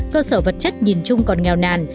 cơ sở vật chất nhìn chung còn nghèo nàn